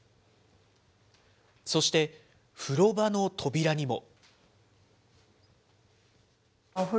そして、風呂場の扉にも。